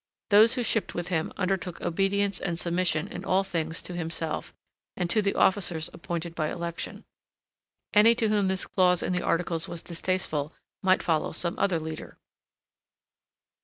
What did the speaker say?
Those who shipped with him undertook obedience and submission in all things to himself and to the officers appointed by election. Any to whom this clause in the articles was distasteful might follow some other leader.